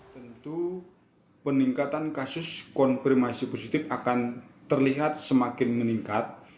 tentu peningkatan kasus konfirmasi positif akan terlihat semakin meningkat